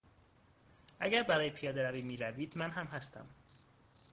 اگر برای پیادهروی میروید من هم هستم.